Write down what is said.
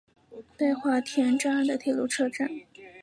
北花田站的铁路车站。